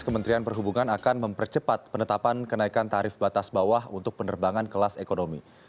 kementerian perhubungan akan mempercepat penetapan kenaikan tarif batas bawah untuk penerbangan kelas ekonomi